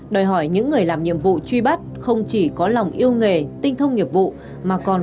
đòi hỏi những người làm nhiệm vụ truy bắt không chỉ có lòng yêu nghề tinh thông nghiệp vụ mà còn